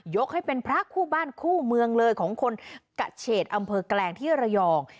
ให้เป็นพระคู่บ้านคู่เมืองเลยของคนกะเฉดอำเภอแกลงที่ระยอง